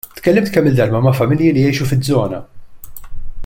Tkellimt kemm-il darba ma' familji li jgħixu fiż-żona.